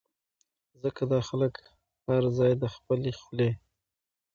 ځکه دا خلک هر ځائے د خپلې خلې